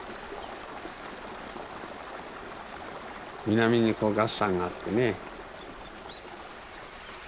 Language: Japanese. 南にこう月山があってね。